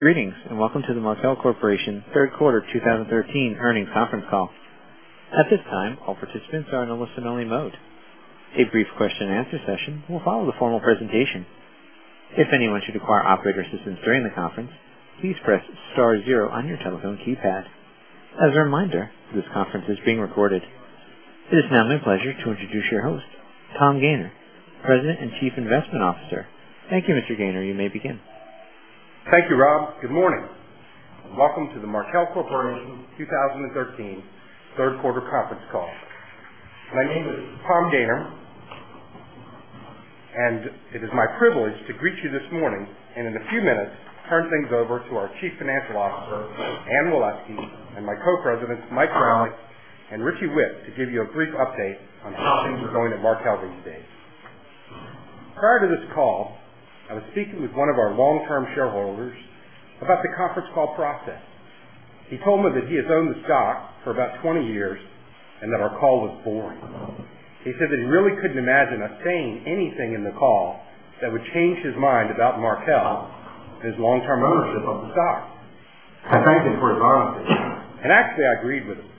Greetings. Welcome to the Markel Corporation third quarter 2013 earnings conference call. At this time, all participants are in a listen-only mode. A brief question and answer session will follow the formal presentation. If anyone should require operator assistance during the conference, please press star zero on your telephone keypad. As a reminder, this conference is being recorded. It is now my pleasure to introduce your host, Tom Gayner, President and Chief Investment Officer. Thank you, Mr. Gayner. You may begin. Thank you, Rob. Good morning. Welcome to the Markel Corporation 2013 third quarter conference call. My name is Tom Gayner, and it is my privilege to greet you this morning. In a few minutes, turn things over to our Chief Financial Officer, Anne Waleski, and my Co-Presidents, Mike Crowley and Richie Whitt, to give you a brief update on how things are going at Markel these days. Prior to this call, I was speaking with one of our long-term shareholders about the conference call process. He told me that he has owned the stock for about 20 years. That our call was boring. He said that he really couldn't imagine us saying anything in the call that would change his mind about Markel, his long-term ownership of the stock. I thanked him for his honesty. Actually I agreed with him.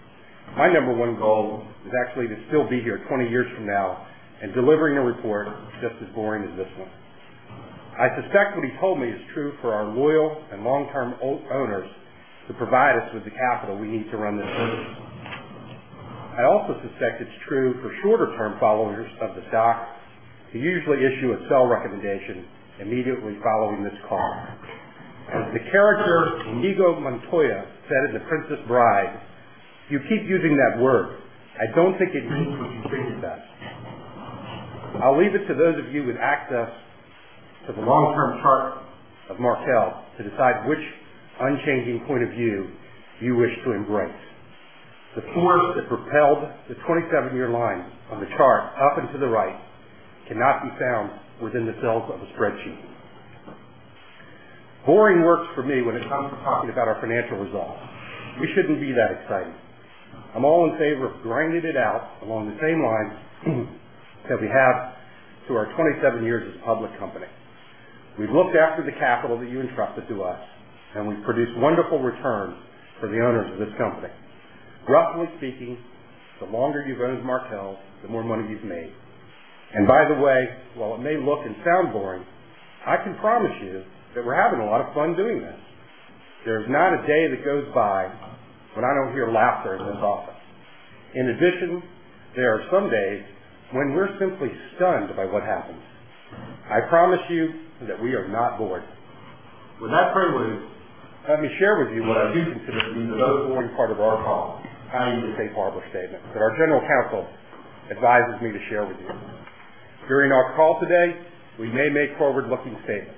My number one goal is actually to still be here 20 years from now and delivering a report just as boring as this one. I suspect what he told me is true for our loyal and long-term owners who provide us with the capital we need to run this business. I also suspect it's true for shorter-term followers of the stock, who usually issue a sell recommendation immediately following this call. As the character Inigo Montoya said in The Princess Bride, "You keep using that word. I don't think it means what you think it does." I'll leave it to those of you with access to the long-term chart of Markel to decide which unchanging point of view you wish to embrace. The force that propelled the 27-year line on the chart up and to the right cannot be found within the cells of a spreadsheet. Boring works for me when it comes to talking about our financial results. We shouldn't be that exciting. I'm all in favor of grinding it out along the same lines that we have through our 27 years as a public company. We've looked after the capital that you entrusted to us. We've produced wonderful returns for the owners of this company. Roughly speaking, the longer you've owned Markel, the more money you've made. By the way, while it may look and sound boring, I can promise you that we're having a lot of fun doing this. There is not a day that goes by when I don't hear laughter in this office. In addition, there are some days when we're simply stunned by what happens. I promise you that we are not bored. With that prelude, let me share with you what I do consider to be the boring part of our call, the safe harbor statement that our general counsel advises me to share with you. During our call today, we may make forward-looking statements.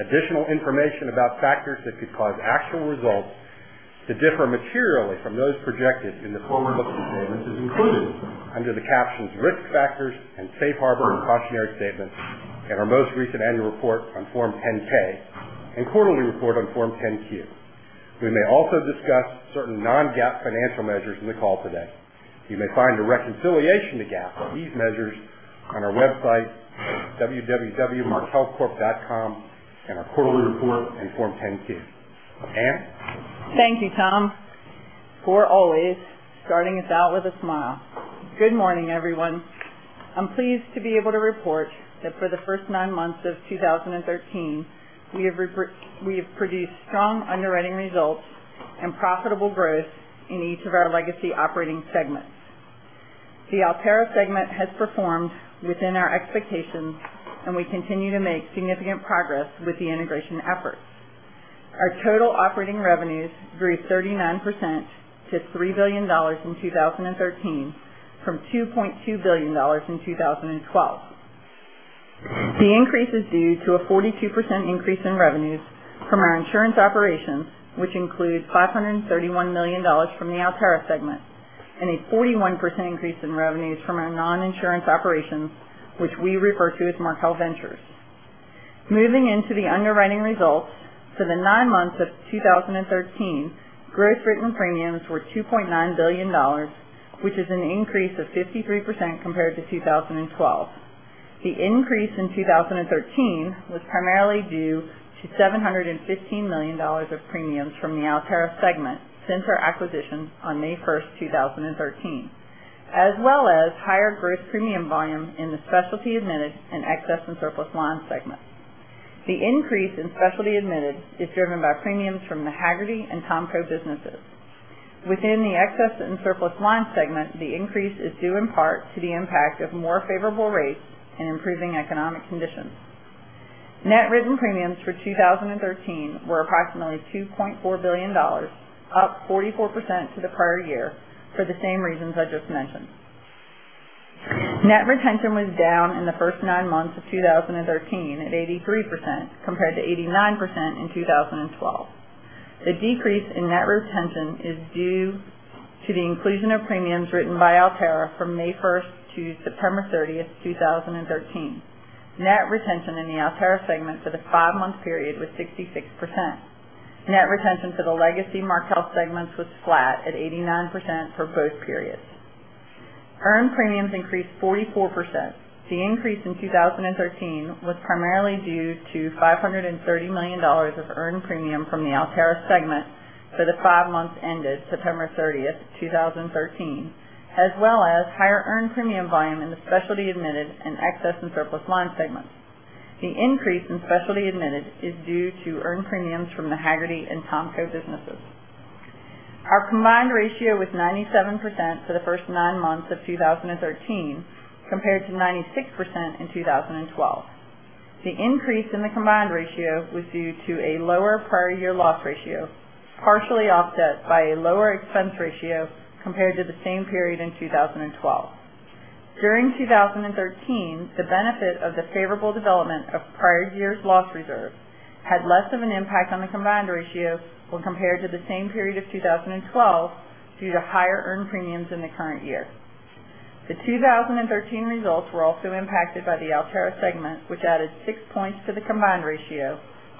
Additional information about factors that could cause actual results to differ materially from those projected in the forward-looking statements is included under the captions Risk Factors and Safe Harbor and Cautionary Statements in our most recent annual report on Form 10-K and quarterly report on Form 10-Q. We may also discuss certain non-GAAP financial measures in the call today. You may find a reconciliation to GAAP for these measures on our website at www.markelcorp.com, and our quarterly report in Form 10-Q. Anne? Thank you, Tom, for always starting us out with a smile. Good morning, everyone. I am pleased to be able to report that for the first nine months of 2013, we have produced strong underwriting results and profitable growth in each of our legacy operating segments. The Alterra segment has performed within our expectations, and we continue to make significant progress with the integration efforts. Our total operating revenues grew 39% to $3 billion in 2013 from $2.2 billion in 2012. The increase is due to a 42% increase in revenues from our insurance operations, which include $531 million from the Alterra segment, and a 41% increase in revenues from our non-insurance operations, which we refer to as Markel Ventures. Moving into the underwriting results, for the nine months of 2013, gross written premiums were $2.9 billion, which is an increase of 53% compared to 2012. The increase in 2013 was primarily due to $715 million of premiums from the Alterra segment since our acquisition on May 1st, 2013, as well as higher gross premium volume in the specialty admitted and excess and surplus line segments. The increase in specialty admitted is driven by premiums from the Hagerty and THOMCO businesses. Within the excess and surplus line segment, the increase is due in part to the impact of more favorable rates and improving economic conditions. Net written premiums for 2013 were approximately $2.4 billion, up 44% to the prior year for the same reasons I just mentioned. Net retention was down in the first nine months of 2013 at 83%, compared to 89% in 2012. The decrease in net retention is due to the inclusion of premiums written by Alterra from May 1st to September 30th, 2013. Net retention in the Alterra segment for the five-month period was 66%. Net retention for the legacy Markel segments was flat at 89% for both periods. Earned premiums increased 44%. The increase in 2013 was primarily due to $530 million of earned premium from the Alterra segment for the five months ended September 30th, 2013, as well as higher earned premium volume in the specialty admitted and excess and surplus line segments. The increase in specialty admitted is due to earned premiums from the Hagerty and THOMCO businesses. Our combined ratio was 97% for the first nine months of 2013, compared to 96% in 2012. The increase in the combined ratio was due to a lower prior year loss ratio, partially offset by a lower expense ratio compared to the same period in 2012. During 2013, the benefit of the favorable development of prior year's loss reserve had less of an impact on the combined ratio when compared to the same period of 2012 due to higher earned premiums in the current year. The 2013 results were also impacted by the Alterra segment, which added 6 points to the combined ratio,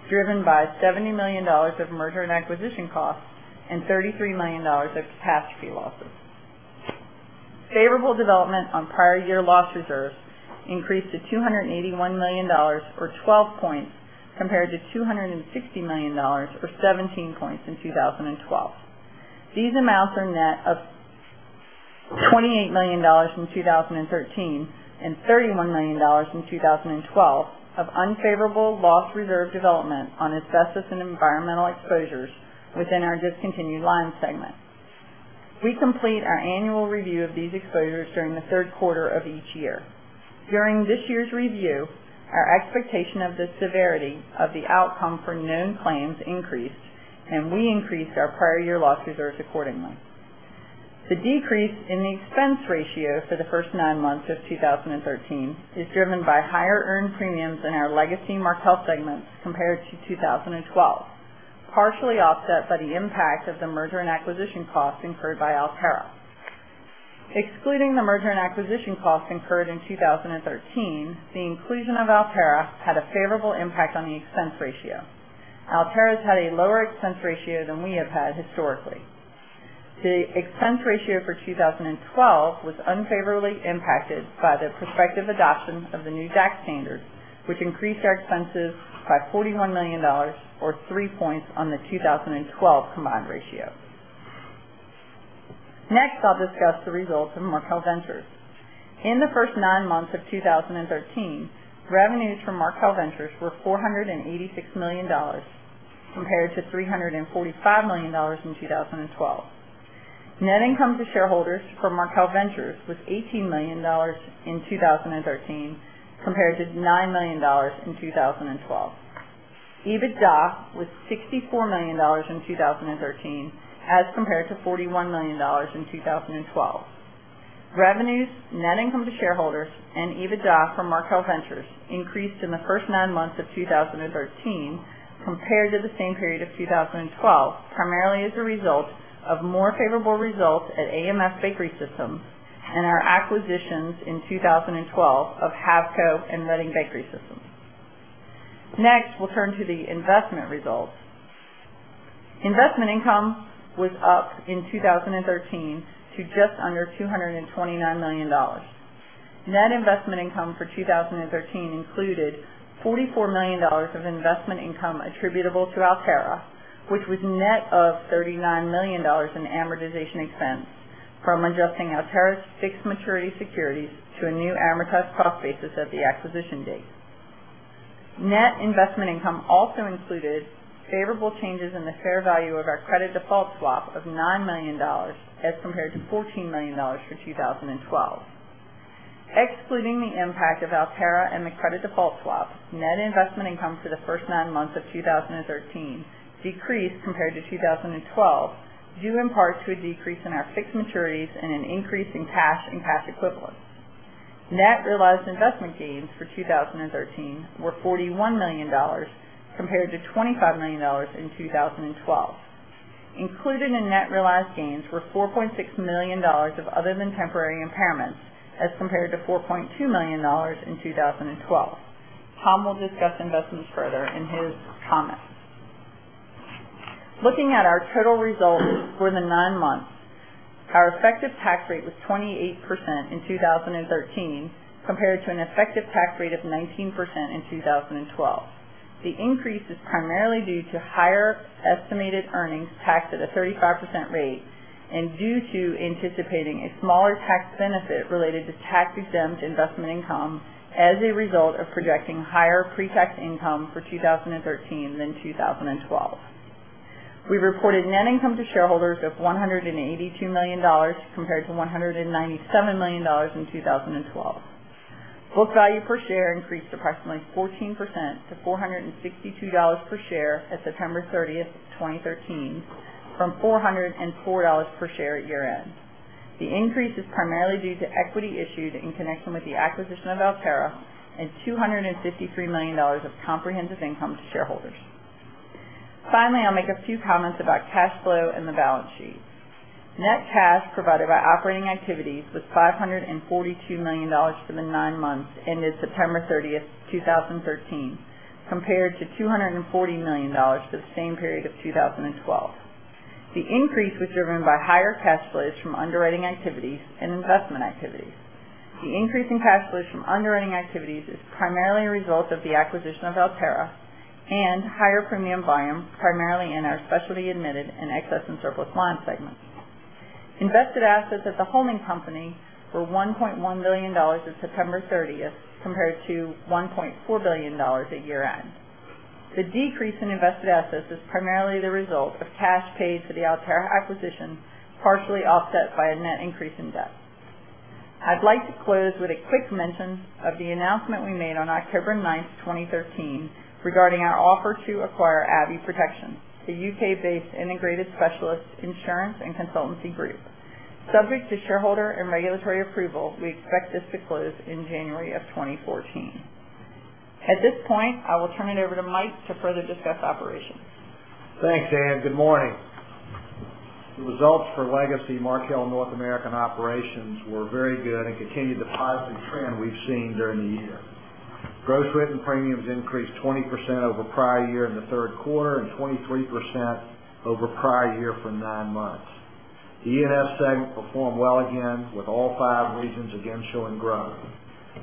driven by $70 million of merger and acquisition costs and $33 million of catastrophe losses. Favorable development on prior year loss reserves increased to $281 million, or 12 points, compared to $260 million, or 17 points, in 2012. These amounts are net of $28 million in 2013 and $31 million in 2012 of unfavorable loss reserve development on asbestos and environmental exposures within our discontinued line segment. We complete our annual review of these exposures during the third quarter of each year. During this year's review, our expectation of the severity of the outcome for known claims increased. We increased our prior year loss reserves accordingly. The decrease in the expense ratio for the first nine months of 2013 is driven by higher earned premiums in our legacy Markel segments compared to 2012, partially offset by the impact of the merger and acquisition costs incurred by Alterra. Excluding the merger and acquisition costs incurred in 2013, the inclusion of Alterra had a favorable impact on the expense ratio. Alterra's had a lower expense ratio than we have had historically. The expense ratio for 2012 was unfavorably impacted by the prospective adoption of the new DAC standard, which increased our expenses by $41 million or 3 points on the 2012 combined ratio. Next, I'll discuss the results of Markel Ventures. In the first nine months of 2013, revenues from Markel Ventures were $486 million compared to $345 million in 2012. Net income to shareholders for Markel Ventures was $18 million in 2013 compared to $9 million in 2012. EBITDA was $64 million in 2013 as compared to $41 million in 2012. Revenues, net income to shareholders, and EBITDA from Markel Ventures increased in the first nine months of 2013 compared to the same period of 2012, primarily as a result of more favorable results at AMF Bakery Systems and our acquisitions in 2012 of Havco and Reading Bakery Systems. Next, we'll turn to the investment results. Investment income was up in 2013 to just under $229 million. Net investment income for 2013 included $44 million of investment income attributable to Alterra, which was net of $39 million in amortization expense from adjusting Alterra's fixed maturity securities to a new amortized cost basis at the acquisition date. Net investment income also included favorable changes in the fair value of our credit default swap of $9 million as compared to $14 million for 2012. Excluding the impact of Alterra and the credit default swap, net investment income for the first nine months of 2013 decreased compared to 2012, due in part to a decrease in our fixed maturities and an increase in cash and cash equivalents. Net realized investment gains for 2013 were $41 million compared to $25 million in 2012. Included in net realized gains were $4.6 million of other than temporary impairments as compared to $4.2 million in 2012. Tom will discuss investments further in his comments. Looking at our total results for the nine months, our effective tax rate was 28% in 2013 compared to an effective tax rate of 19% in 2012. The increase is primarily due to higher estimated earnings taxed at a 35% rate and due to anticipating a smaller tax benefit related to tax-exempt investment income as a result of projecting higher pre-tax income for 2013 than 2012. We reported net income to shareholders of $182 million, compared to $197 million in 2012. Book value per share increased approximately 14% to $462 per share at September 30th, 2013, from $404 per share at year-end. The increase is primarily due to equity issued in connection with the acquisition of Alterra and $253 million of comprehensive income to shareholders. Finally, I'll make a few comments about cash flow and the balance sheet. Net cash provided by operating activities was $542 million for the nine months ended September 30th, 2013, compared to $240 million for the same period of 2012. The increase was driven by higher cash flows from underwriting activities and investment activities. The increase in cash flows from underwriting activities is primarily a result of the acquisition of Alterra and higher premium volume, primarily in our specialty admitted and excess and surplus line segments. Invested assets at the holding company were $1.1 billion as September 30th, compared to $1.4 billion at year-end. The decrease in invested assets is primarily the result of cash paid for the Alterra acquisition, partially offset by a net increase in debt. I'd like to close with a quick mention of the announcement we made on October 9th, 2013, regarding our offer to acquire Abbey Protection, the U.K.-based integrated specialist insurance and consultancy group. Subject to shareholder and regulatory approval, we expect this to close in January of 2014. At this point, I will turn it over to Mike to further discuss operations. Thanks, Anne. Good morning. The results for legacy Markel North American operations were very good and continued the positive trend we've seen during the year. Gross written premiums increased 20% over prior year in the third quarter and 23% over prior year for nine months. The E&S segment performed well again, with all five regions again showing growth.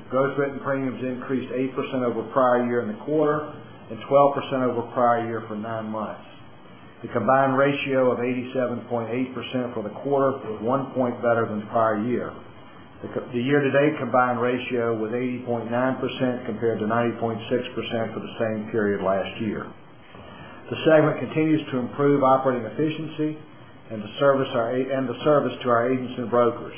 Gross written premiums increased 8% over prior year in the quarter and 12% over prior year for nine months. The combined ratio of 87.8% for the quarter was 1 point better than the prior year. The year-to-date combined ratio was 80.9% compared to 90.6% for the same period last year. The segment continues to improve operating efficiency and the service to our agents and brokers.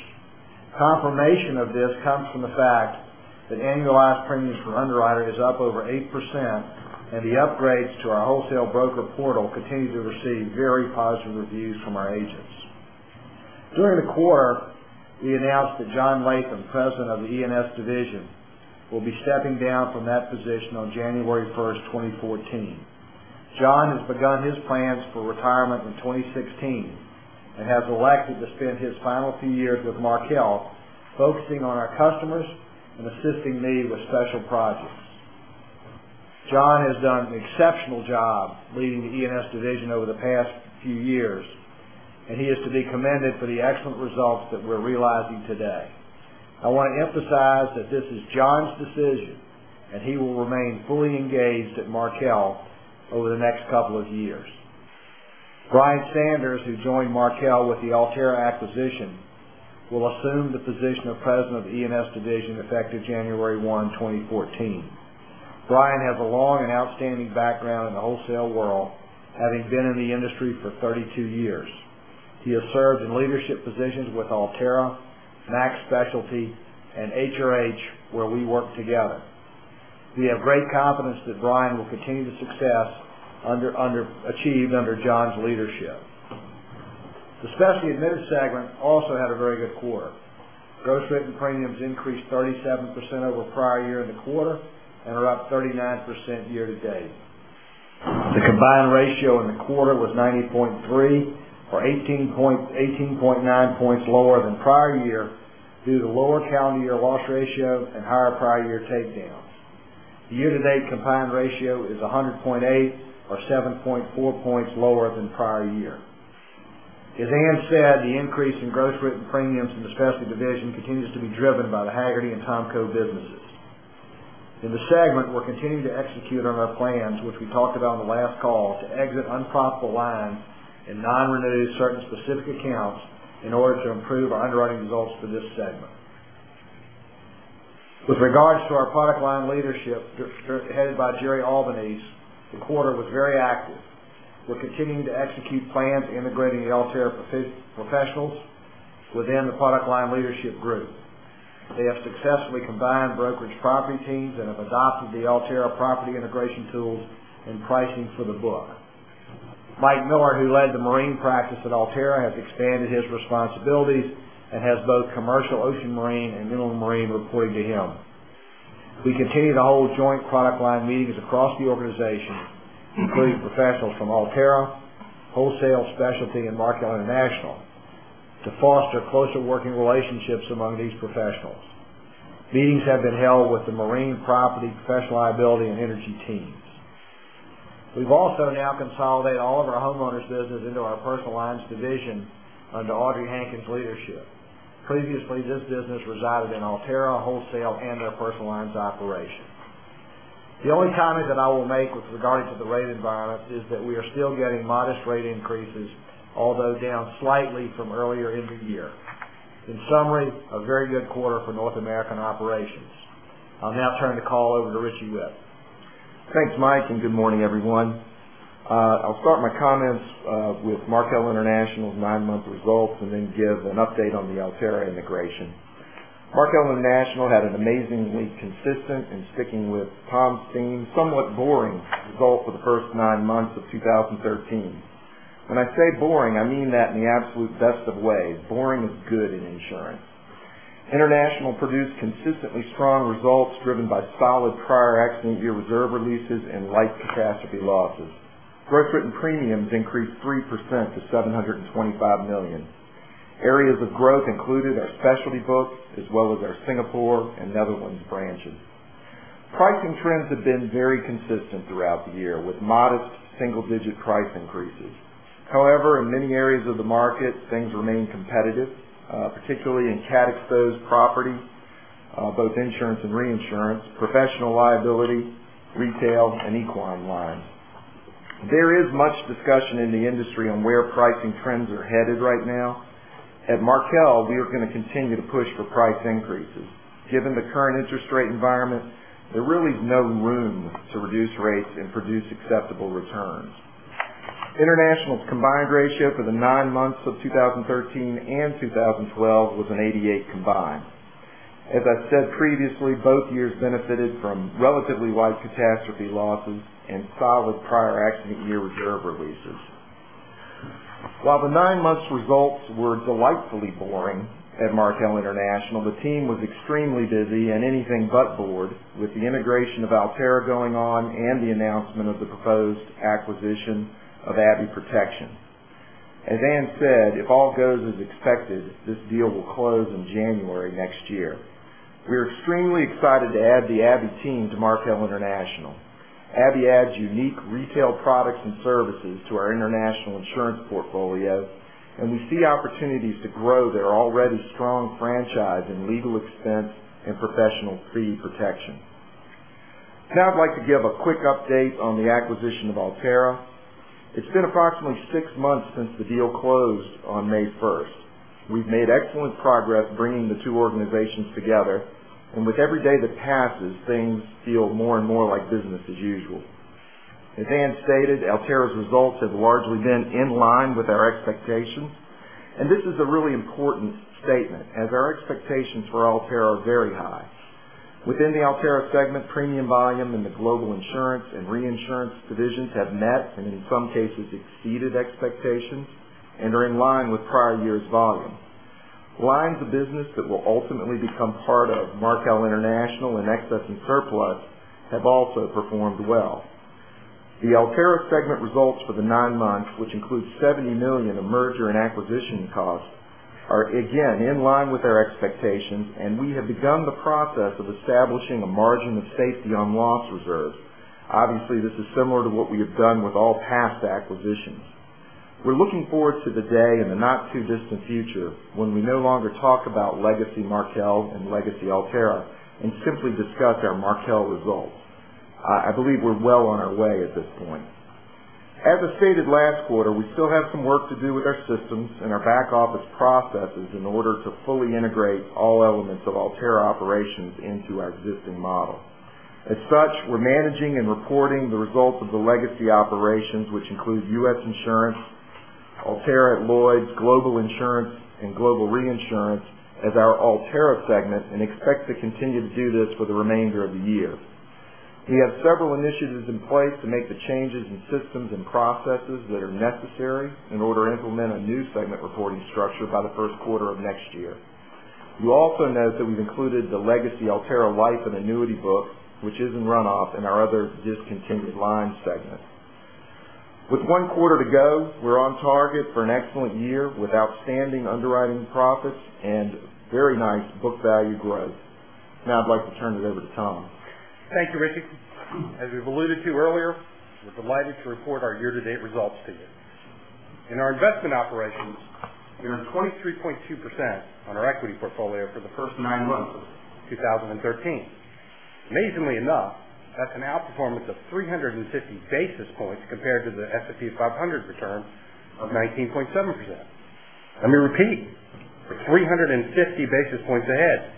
Confirmation of this comes from the fact that annualized premiums for underwriting is up over 8%, and the upgrades to our wholesale broker portal continue to receive very positive reviews from our agents. During the quarter, we announced that John Latham, President of the E&S division, will be stepping down from that position on January 1st, 2014. John has begun his plans for retirement in 2016 and has elected to spend his final few years with Markel focusing on our customers and assisting me with special projects. John has done an exceptional job leading the E&S division over the past few years, and he is to be commended for the excellent results that we're realizing today. I want to emphasize that this is John's decision, and he will remain fully engaged at Markel over the next couple of years. Bryan Sanders, who joined Markel with the Alterra acquisition, will assume the position of President of E&S division effective January 1, 2014. Bryan has a long and outstanding background in the wholesale world, having been in the industry for 32 years. He has served in leadership positions with Alterra, Max Specialty, and HRH, where we worked together. We have great confidence that Bryan will continue the success achieved under John's leadership. The specialty admitted segment also had a very good quarter. Gross written premiums increased 37% over prior year in the quarter and are up 39% year-to-date. The combined ratio in the quarter was 90.3 or 18.9 points lower than prior year due to the lower calendar year loss ratio and higher prior year takedowns. The year-to-date combined ratio is 100.8 or 7.4 points lower than prior year. As Anne said, the increase in gross written premiums in the specialty division continues to be driven by the Hagerty and THOMCO businesses. In the segment, we're continuing to execute on our plans, which we talked about on the last call, to exit unprofitable lines and non-renew certain specific accounts in order to improve our underwriting results for this segment. With regards to our product line leadership, headed by Gerard Albanese, the quarter was very active. We're continuing to execute plans integrating the Alterra professionals within the product line leadership group. They have successfully combined brokerage property teams and have adopted the Alterra property integration tools and pricing for the book. Mike Miller, who led the marine practice at Alterra, has expanded his responsibilities and has both commercial ocean marine and middle marine reporting to him. We continue to hold joint product line meetings across the organization, including professionals from Alterra, wholesale specialty, and Markel International, to foster closer working relationships among these professionals. Meetings have been held with the marine property, professional liability, and energy teams. We've also now consolidated all of our homeowners business into our personal lines division under Audrey Hanken's leadership. Previously, this business resided in Alterra wholesale and their personal lines operation. The only comment that I will make with regards to the rate environment is that we are still getting modest rate increases, although down slightly from earlier in the year. In summary, a very good quarter for North American operations. I'll now turn the call over to Richie Whitt. Thanks, Mike, good morning, everyone. I'll start my comments with Markel International's nine-month results and then give an update on the Alterra integration. Markel International had an amazingly consistent, and sticking with Tom's theme, somewhat boring result for the first nine months of 2013. When I say boring, I mean that in the absolute best of ways. Boring is good in insurance. International produced consistently strong results driven by solid prior accident year reserve releases and light catastrophe losses. Gross written premiums increased 3% to $725 million. Areas of growth included our specialty books as well as our Singapore and Netherlands branches. Pricing trends have been very consistent throughout the year, with modest single-digit price increases. However, in many areas of the market, things remain competitive, particularly in cat-exposed property, both insurance and reinsurance, professional liability, retail, and equine lines. There is much discussion in the industry on where pricing trends are headed right now. At Markel, we are going to continue to push for price increases. Given the current interest rate environment, there really is no room to reduce rates and produce acceptable returns. International's combined ratio for the nine months of 2013 and 2012 was an 88 combined. As I said previously, both years benefited from relatively wide catastrophe losses and solid prior accident year reserve releases. While the nine-month results were delightfully boring at Markel International, the team was extremely busy and anything but bored with the integration of Alterra going on and the announcement of the proposed acquisition of Abbey Protection. As Anne said, if all goes as expected, this deal will close in January next year. We are extremely excited to add the Abbey team to Markel International. Abbey adds unique retail products and services to our international insurance portfolio, we see opportunities to grow their already strong franchise in legal expense and professional fee protection. Now I'd like to give a quick update on the acquisition of Alterra. It's been approximately six months since the deal closed on May 1st. We've made excellent progress bringing the two organizations together, with every day that passes, things feel more and more like business as usual. As Anne stated, Alterra's results have largely been in line with our expectations, this is a really important statement, as our expectations for Alterra are very high. Within the Alterra segment premium volume and the global insurance and reinsurance divisions have met, in some cases, exceeded expectations and are in line with prior year's volume. Lines of business that will ultimately become part of Markel International and excess and surplus have also performed well. The Alterra segment results for the nine months, which includes $70 million of merger and acquisition costs, are again in line with our expectations, we have begun the process of establishing a margin of safety on loss reserve. Obviously, this is similar to what we have done with all past acquisitions. We're looking forward to the day in the not-too-distant future when we no longer talk about legacy Markel and legacy Alterra and simply discuss our Markel results. I believe we're well on our way at this point. As I stated last quarter, we still have some work to do with our systems and our back office processes in order to fully integrate all elements of Alterra operations into our existing model. As such, we're managing and reporting the results of the legacy operations, which include U.S. insurance, Alterra at Lloyd's, global insurance, and global reinsurance as our Alterra segment and expect to continue to do this for the remainder of the year. We have several initiatives in place to make the changes in systems and processes that are necessary in order to implement a new segment reporting structure by the first quarter of next year. You will also note that we've included the legacy Alterra life and annuity book, which is in runoff in our other discontinued lines segment. With one quarter to go, we're on target for an excellent year with outstanding underwriting profits and very nice book value growth. Now I'd like to turn it over to Tom. Thank you, Ricky. As we've alluded to earlier, we're delighted to report our year-to-date results to you. In our investment operations, we earned 23.2% on our equity portfolio for the first nine months of 2013. Amazingly enough, that's an outperformance of 350 basis points compared to the S&P 500 return of 19.7%. Let me repeat, 350 basis points ahead.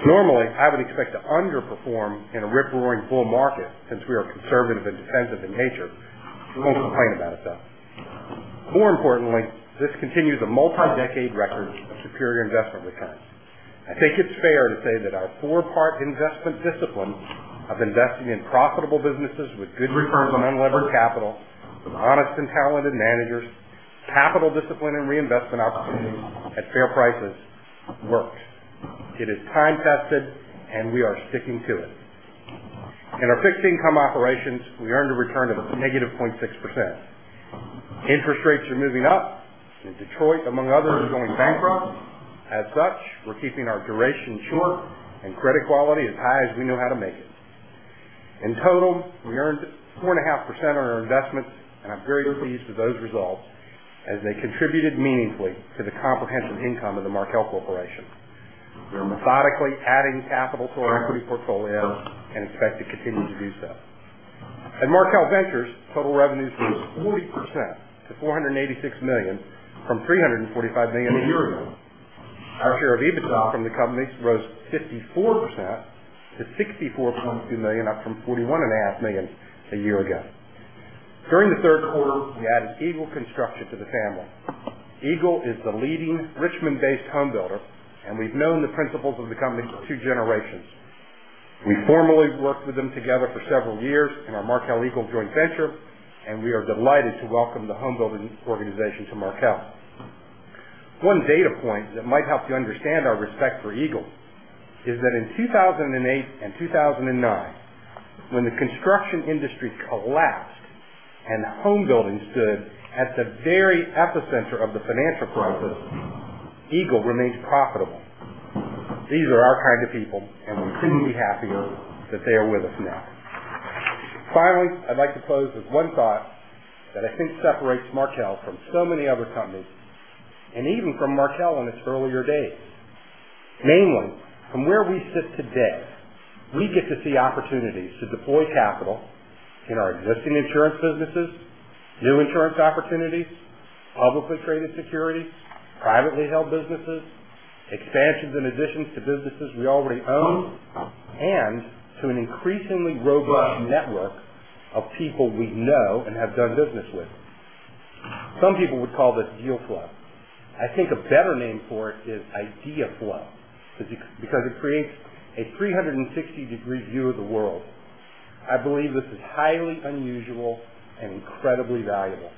Normally, I would expect to underperform in a rip-roaring bull market since we are conservative and defensive in nature. I won't complain about it, though. More importantly, this continues a multi-decade record of superior investment returns. I think it's fair to say that our four-part investment discipline of investing in profitable businesses with good returns on unlevered capital, with honest and talented managers, capital discipline and reinvestment opportunities at fair prices works. It is time-tested, and we are sticking to it. In our fixed income operations, we earned a return of -0.6%. Interest rates are moving up, and Detroit, among others, is going bankrupt. As such, we're keeping our duration short and credit quality as high as we know how to make it. In total, we earned 4.5% on our investments, and I'm very pleased with those results as they contributed meaningfully to the comprehensive income of the Markel Corporation. We are methodically adding capital to our equity portfolio and expect to continue to do so. At Markel Ventures, total revenues rose 40% to $486 million from $345 million a year ago. Our share of EBITDA from the companies rose 54% to $64.2 million, up from $41.5 million a year ago. During the third quarter, we added Eagle Construction to the family. Eagle is the leading Richmond-based home builder, and we've known the principals of the company for two generations. We formally worked with them together for several years in our Markel|Eagle joint venture, and we are delighted to welcome the home building organization to Markel. One data point that might help you understand our respect for Eagle is that in 2008 and 2009 When the construction industry collapsed and home building stood at the very epicenter of the financial crisis, Eagle remains profitable. These are our kind of people, and we couldn't be happier that they are with us now. Finally, I'd like to close with one thought that I think separates Markel from so many other companies, and even from Markel in its earlier days. Mainly, from where we sit today, we get to see opportunities to deploy capital in our existing insurance businesses, new insurance opportunities, publicly traded securities, privately held businesses, expansions and additions to businesses we already own, and to an increasingly robust network of people we know and have done business with. Some people would call this deal flow. I think a better name for it is idea flow, because it creates a 360-degree view of the world. I believe this is highly unusual and incredibly valuable.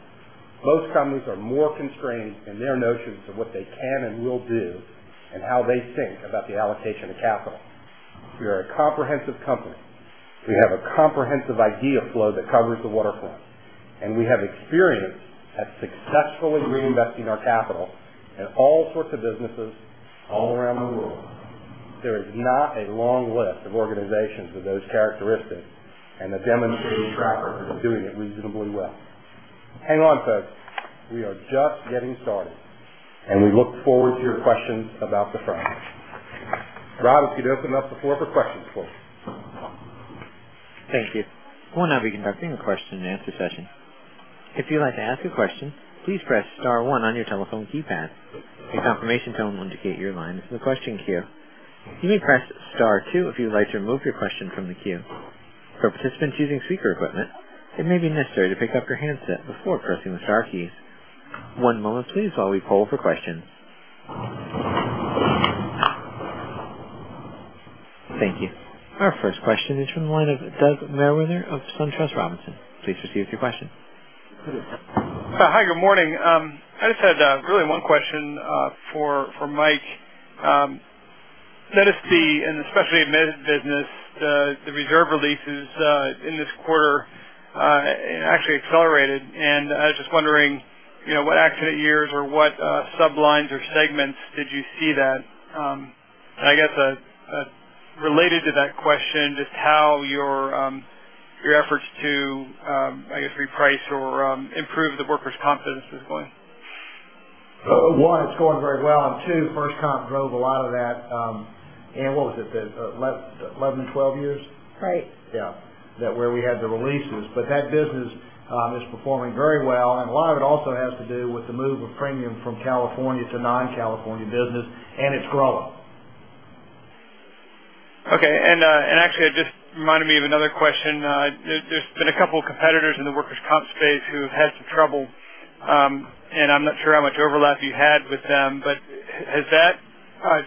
Most companies are more constrained in their notions of what they can and will do and how they think about the allocation of capital. We are a comprehensive company. We have a comprehensive idea flow that covers the waterfront. We have experience at successfully reinvesting our capital in all sorts of businesses all around the world. There is not a long list of organizations with those characteristics and a demonstrated track record of doing it reasonably well. Hang on, folks. We are just getting started. We look forward to your questions about the frame. Rob, if you'd open up the floor for questions, please. Thank you. We'll now be conducting a question-and-answer session. If you'd like to ask a question, please press star one on your telephone keypad. A confirmation tone will indicate your line is in the question queue. You may press star two if you'd like to remove your question from the queue. For participants using speaker equipment, it may be necessary to pick up your handset before pressing the star keys. One moment please while we poll for questions. Thank you. Our first question is from the line of Doug Mewhirter of SunTrust Robinson. Please proceed with your question. Hi, good morning. I just had really one question for Mike. Legacy and especially in [inaudible] business, the reserve releases in this quarter actually accelerated. I was just wondering, what accident years or what sub-lines or segments did you see that? I guess, related to that question, just how your efforts to, I guess, reprice or improve the workers' comp business is going. One, it's going very well, two, FirstComp drove a lot of that. Anne, what was it, the 11 to 12 years? Right. Yeah. That where we had the releases. That business is performing very well, a lot of it also has to do with the move of premium from California to non-California business, and it's growing. Okay. Actually, it just reminded me of another question. There's been a couple of competitors in the workers' comp space who have had some trouble. I'm not sure how much overlap you had with them, has that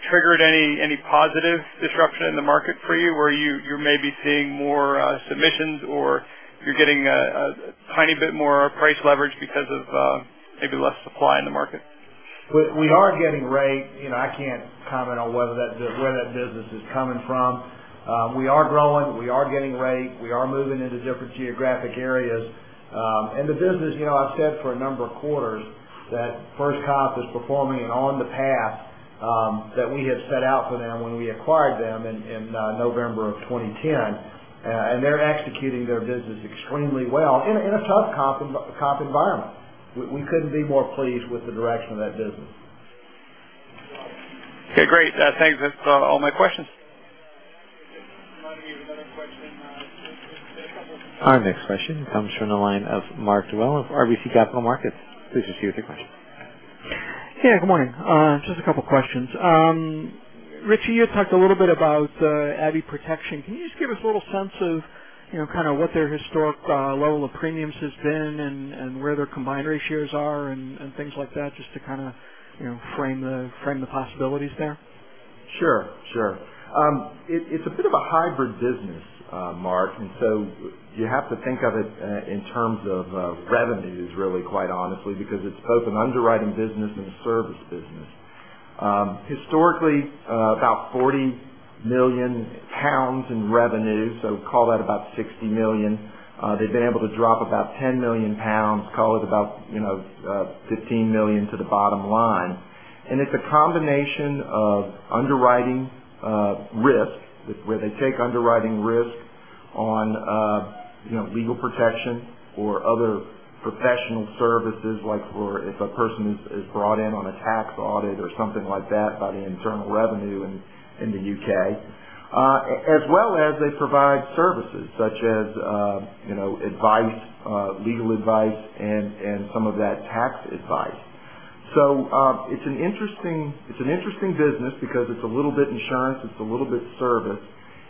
triggered any positive disruption in the market for you, where you're maybe seeing more submissions or you're getting a tiny bit more price leverage because of maybe less supply in the market? We are getting rate. I can't comment on where that business is coming from. We are growing. We are getting rate. We are moving into different geographic areas. The business, I've said for a number of quarters that FirstComp is performing and on the path that we had set out for them when we acquired them in November of 2010. They're executing their business extremely well in a tough comp environment. We couldn't be more pleased with the direction of that business. Okay, great. Thanks. That's all my questions. Our next question comes from the line of Mark Dwelle of RBC Capital Markets. Please proceed with your question. Yeah, good morning. Just a couple of questions. Richie, you talked a little bit about Abbey Protection. Can you just give us a little sense of what their historic level of premiums has been and where their combined ratios are and things like that, just to kind of frame the possibilities there? Sure. It's a bit of a hybrid business, Mark. You have to think of it in terms of revenues really, quite honestly, because it's both an underwriting business and a service business. Historically, about 40 million pounds in revenue, so call that about $60 million. They've been able to drop about 10 million pounds, call it about $15 million to the bottom line. It's a combination of underwriting risk, where they take underwriting risk on legal protection or other professional services, like for if a person is brought in on a tax audit or something like that by the Inland Revenue in the U.K., as well as they provide services such as advice, legal advice, and some of that tax advice. It's an interesting business because it's a little bit insurance, it's a little bit service.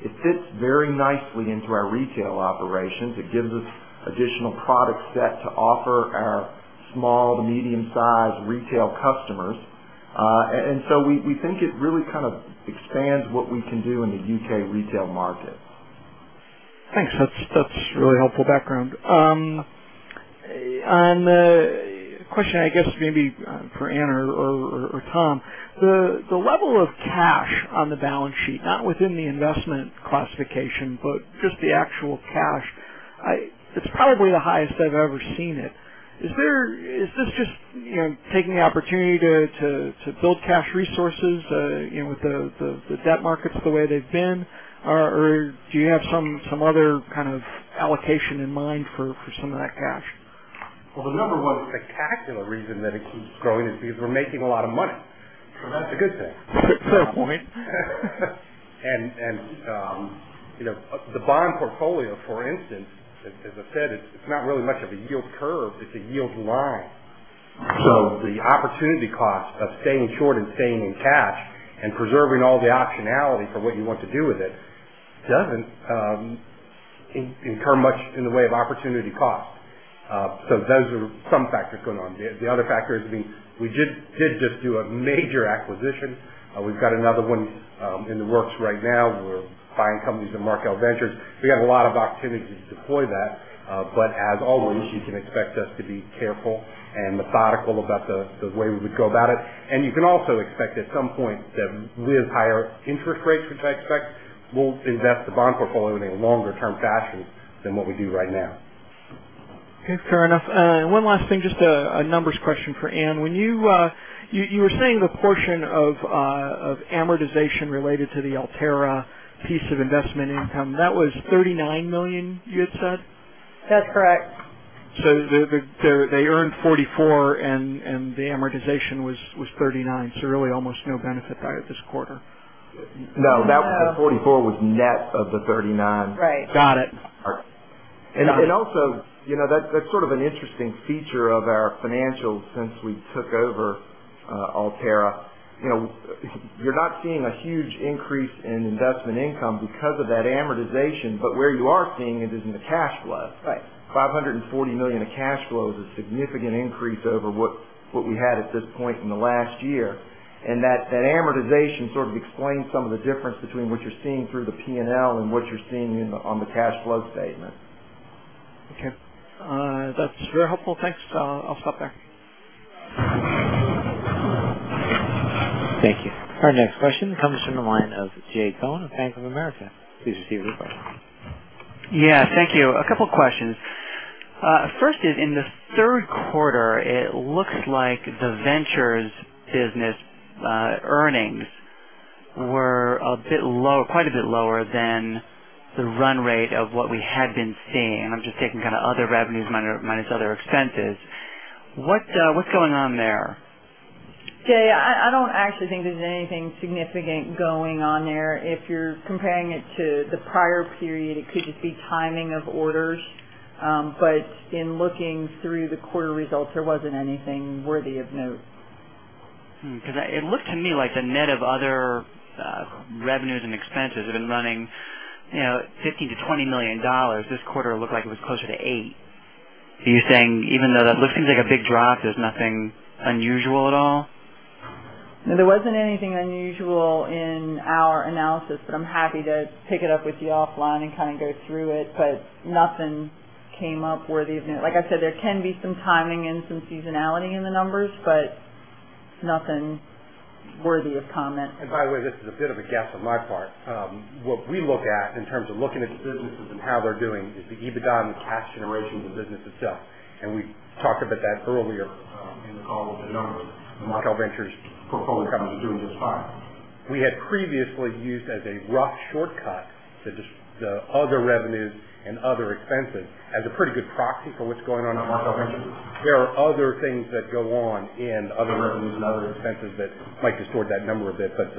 It fits very nicely into our retail operations. It gives us additional product set to offer our small to medium-sized retail customers. We think it really kind of expands what we can do in the U.K. retail market. Thanks. That's really helpful background. On the question, I guess maybe for Anne or Tom, the level of cash on the balance sheet, not within the investment classification, but just the actual cash. It's probably the highest I've ever seen it. Is this just taking the opportunity to build cash resources, with the debt markets the way they've been? Or do you have some other kind of allocation in mind for some of that cash? Well, the number one spectacular reason that it keeps growing is because we're making a lot of money. That's a good thing. True point. The bond portfolio, for instance, as I said, it's not really much of a yield curve, it's a yield line. The opportunity cost of staying short and staying in cash and preserving all the optionality for what you want to do with it doesn't incur much in the way of opportunity cost. Those are some factors going on there. The other factor is we did just do a major acquisition. We've got another one in the works right now. We're buying companies in Markel Ventures. We got a lot of opportunity to deploy that. As always, you can expect us to be careful and methodical about the way we would go about it. You can also expect at some point that with higher interest rates, which I expect, we'll invest the bond portfolio in a longer-term fashion than what we do right now. Okay, fair enough. One last thing, just a numbers question for Anne. You were saying the portion of amortization related to the Alterra piece of investment income, that was $39 million, you had said? That's correct. They earned $44 million and the amortization was $39 million. Really almost no benefit out of this quarter. No, that was the 44 was net of the 39. Right. Got it. Also, that's sort of an interesting feature of our financials since we took over Alterra. You're not seeing a huge increase in investment income because of that amortization, but where you are seeing it is in the cash flow. Right. $540 million of cash flow is a significant increase over what we had at this point in the last year. That amortization sort of explains some of the difference between what you're seeing through the P&L and what you're seeing on the cash flow statement. Okay. That's very helpful. Thanks. I'll stop there. Thank you. Our next question comes from the line of Jay Cohen of Bank of America. Please proceed with your question. Yeah, thank you. A couple questions. First is, in the third quarter, it looks like the ventures business earnings were quite a bit lower than the run rate of what we had been seeing. I'm just taking kind of other revenues minus other expenses. What's going on there? Jay, I don't actually think there's anything significant going on there. If you're comparing it to the prior period, it could just be timing of orders. In looking through the quarter results, there wasn't anything worthy of note. It looked to me like the net of other revenues and expenses had been running $15 million-$20 million. This quarter looked like it was closer to $8 million. Are you saying even though that looks like a big drop, there's nothing unusual at all? No, there wasn't anything unusual in our analysis, but I'm happy to pick it up with you offline and kind of go through it, but nothing came up worthy of note. Like I said, there can be some timing and some seasonality in the numbers, but nothing worthy of comment. By the way, this is a bit of a guess on my part. What we look at in terms of looking at the businesses and how they're doing is the EBITDA and the cash generations of business itself. We talked about that earlier in the call with the numbers. The Markel Ventures portfolio companies are doing just fine. We had previously used as a rough shortcut the other revenues and other expenses as a pretty good proxy for what's going on at Markel Ventures. There are other things that go on in other revenues and other expenses that might distort that number a bit, but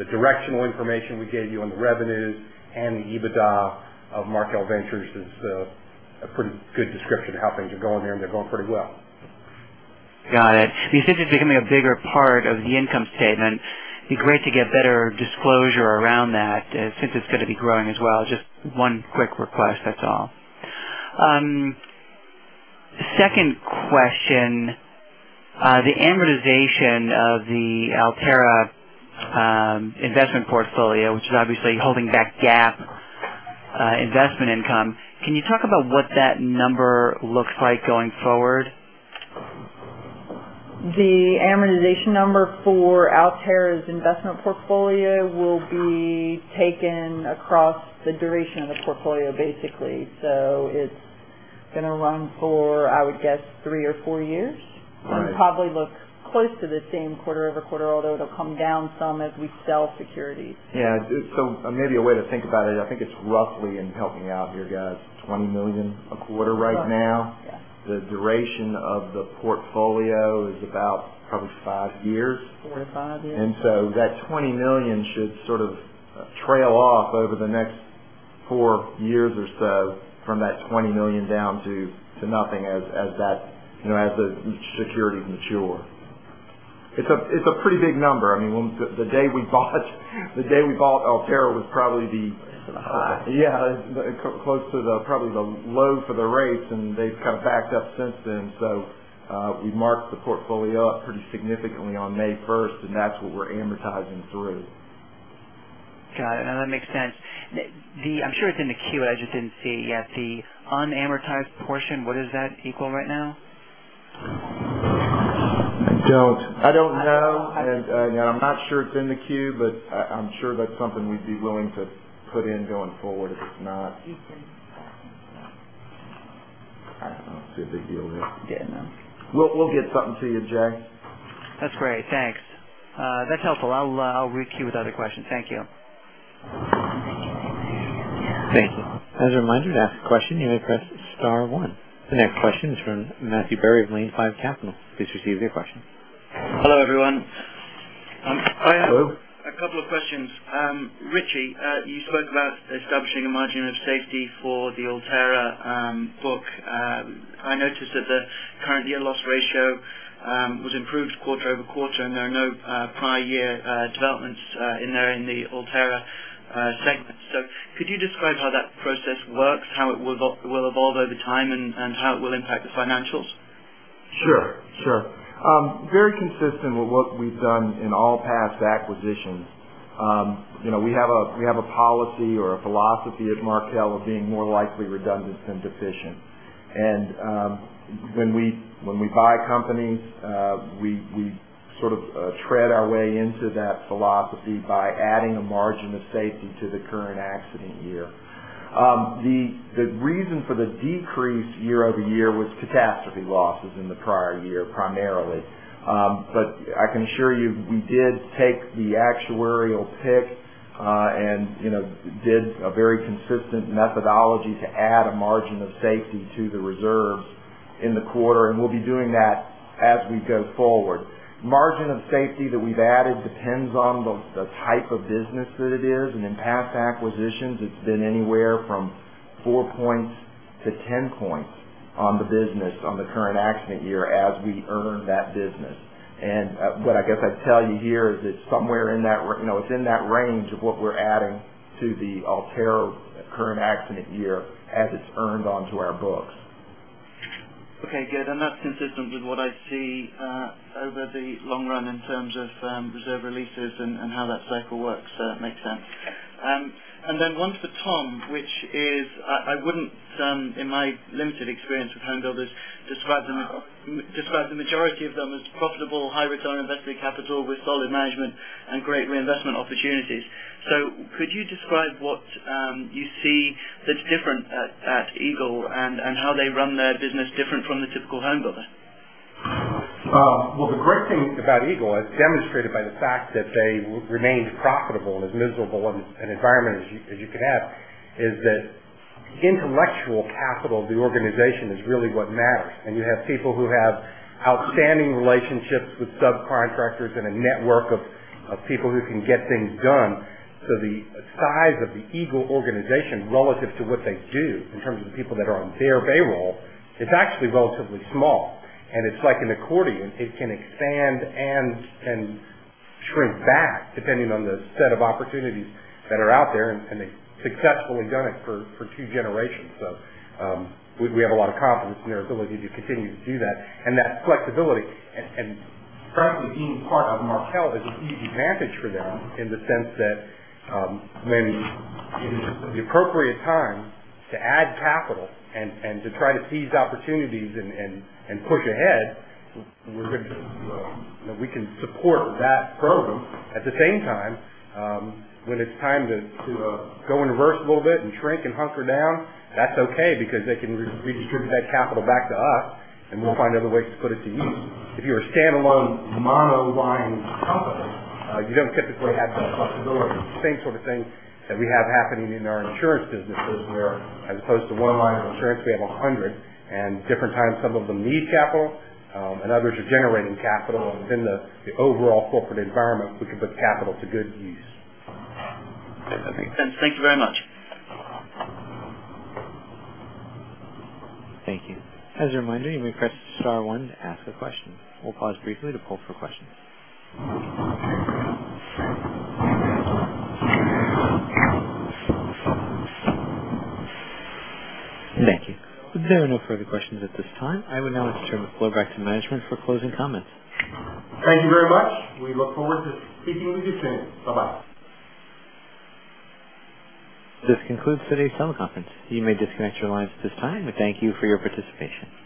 the directional information we gave you on the revenues and the EBITDA of Markel Ventures is a pretty good description of how things are going there, and they're going pretty well. Got it. These things are becoming a bigger part of the income statement. It'd be great to get better disclosure around that since it's going to be growing as well. Just one quick request, that's all. Second question, the amortization of the Alterra investment portfolio, which is obviously holding back GAAP investment income. Can you talk about what that number looks like going forward? The amortization number for Alterra's investment portfolio will be taken across the duration of the portfolio, basically. It's going to run for, I would guess, three or four years. Right. Probably look close to the same quarter-over-quarter, although it'll come down some as we sell securities. Yeah. Maybe a way to think about it, I think it's roughly, and help me out here, guys, $20 million a quarter right now? Yes. The duration of the portfolio is about probably five years. Four to five years. That $20 million should sort of trail off over the next four years or so from that $20 million down to nothing as each security matures. It's a pretty big number. The day we bought Alterra was probably the. High. Yeah, close to probably the low for the rates, and they've kind of backed up since then. We marked the portfolio up pretty significantly on May 1st, and that's what we're amortizing through. Got it. No, that makes sense. I'm sure it's in the queue, I just didn't see it yet. The unamortized portion, what does that equal right now? I don't know, and I'm not sure it's in the queue, but I'm sure that's something we'd be willing to put in going forward if it's not. It's in. I don't see a big deal with it. Yeah, no. We'll get something to you, Jay. That's great. Thanks. That's helpful. I'll re-queue with other questions. Thank you. Thank you. As a reminder, to ask a question, you may press star one. The next question is from Matthew Berry of Lane5 Capital. Please proceed with your question. Hello, everyone. Hello. I have a couple of questions. Richie, you spoke about establishing a margin of safety for the Alterra book. I noticed that the current year loss ratio was improved quarter-over-quarter, and there are no prior year developments in there in the Alterra segment. Could you describe how that process works, how it will evolve over time, and how it will impact the financials? Sure. Very consistent with what we've done in all past acquisitions. We have a policy or a philosophy at Markel of being more likely redundant than deficient. When we buy companies, we sort of tread our way into that philosophy by adding a margin of safety to the current accident year. The reason for the decrease year-over-year was catastrophe losses in the prior year, primarily. I can assure you, we did take the actuarial pick, and did a very consistent methodology to add a margin of safety to the reserves in the quarter, and we'll be doing that as we go forward. Margin of safety that we've added depends on the type of business that it is. In past acquisitions, it's been anywhere from four points to 10 points on the business on the current accident year as we earn that business. What I guess I'd tell you here is it's in that range of what we're adding to the Alterra current accident year as it's earned onto our books. Okay, good. That's consistent with what I see over the long run in terms of reserve releases and how that cycle works. That makes sense. Then one for Tom, which is, I wouldn't, in my limited experience with home builders, describe the majority of them as profitable, high return on invested capital with solid management and great reinvestment opportunities. Could you describe what you see that's different at Eagle and how they run their business different from the typical home builder? Well, the great thing about Eagle, as demonstrated by the fact that they remained profitable, as miserable an environment as you could have, is that intellectual capital of the organization is really what matters. You have people who have outstanding relationships with subcontractors and a network of people who can get things done. The size of the Eagle organization, relative to what they do in terms of the people that are on their payroll, is actually relatively small. It's like an accordion. It can expand and shrink back depending on the set of opportunities that are out there, and they've successfully done it for two generations. We have a lot of confidence in their ability to continue to do that. That flexibility and frankly, being part of Markel is a huge advantage for them in the sense that when the appropriate time to add capital and to try to seize opportunities and push ahead, we can support that program. At the same time, when it's time to go in reverse a little bit and shrink and hunker down, that's okay because they can redistribute that capital back to us, and we'll find other ways to put it to use. If you're a standalone mono-line company, you don't typically have that flexibility. Same sort of thing that we have happening in our insurance businesses where as opposed to one line of insurance, we have 100. Different times, some of them need capital, and others are generating capital within the overall corporate environment. We can put capital to good use. Okay. Thank you very much. Thank you. As a reminder, you may press star one to ask a question. We will pause briefly to poll for questions. Thank you. There are no further questions at this time. I would now like to turn the floor back to management for closing comments. Thank you very much. We look forward to speaking with you soon. Bye-bye. This concludes today's teleconference. You may disconnect your lines at this time. Thank you for your participation.